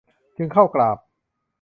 จึงเข้ากราบ